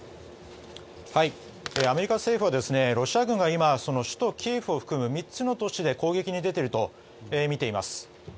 アメリカ政府はロシア軍が今、首都キエフを含む３つの都市で攻撃に出ているとみています。